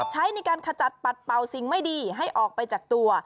ใช้ในการขจัดปัดเป่าสิ่งไม่ดีให้ออกไปจากตัว